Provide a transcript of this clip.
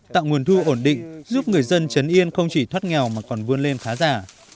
tạo nguồn thu ổn định giúp người dân chấn yên không chỉ thoát nghèo mà còn vươn lên khá giả